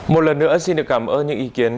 một lần nữa xin được cảm ơn những ý kiến